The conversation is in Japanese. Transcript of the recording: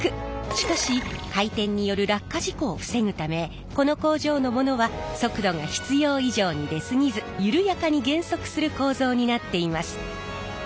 しかし回転による落下事故を防ぐためこの工場のものは速度が必要以上に出過ぎず緩やかに減速する構造になっています。